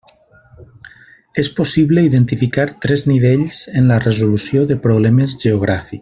És possible identificar tres nivells en la resolució de problemes geogràfics.